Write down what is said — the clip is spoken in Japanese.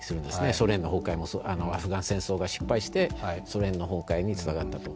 ソ連の崩壊もアフガン戦争が失敗してソ連の崩壊につながったと。